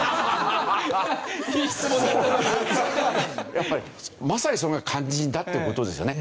やっぱりまさにそれが肝心だっていう事ですよね。